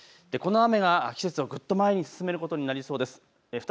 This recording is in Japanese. この雨が季節をぐっと前に進めることになりそうです。